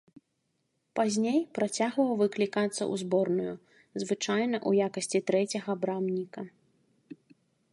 Пазней працягваў выклікацца ў зборную, звычайна ў якасці трэцяга брамніка.